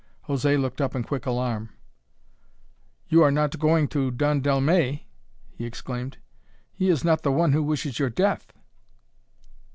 José looked up in quick alarm. "You are not going to Don Dellmey?" he exclaimed. "He is not the one who wishes your death!"